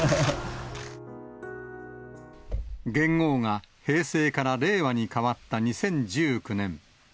元号が平成から令和にかわった２０１９年。